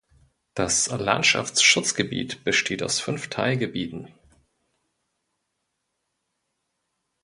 Das Landschaftsschutzgebiet besteht aus fünf Teilgebieten.